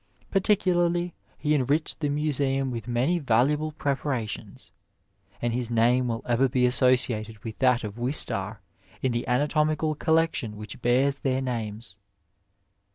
Particularly he enriched the museum with many valuable preparations, and his name will ever be associated with that of Wistar in the anatomical collection which bears their names.